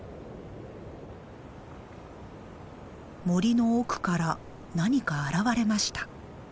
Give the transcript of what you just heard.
森の奥から何か現れました。